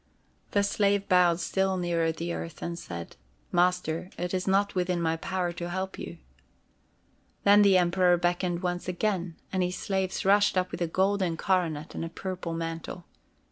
The slave bowed still nearer the earth, and said: "Master, it is not within my power to help you." Then the Emperor beckoned once again, and his slaves rushed up with a golden coronet and a purple mantle.